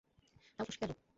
তাও ফসকে গেল।